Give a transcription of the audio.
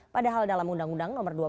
padahal dalam undang undang nomor tiga